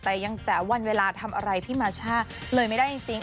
แต่ยังแจ๋วันเวลาทำอะไรพี่มาช่าเลยไม่ได้จริง